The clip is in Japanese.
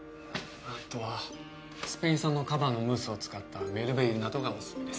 あとはスペイン産のカヴァのムースを使ったメルベイユなどがオススメです